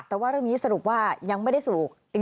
แต่ว่าเรื่องนี้สรุปว่ายังไม่ได้สรุป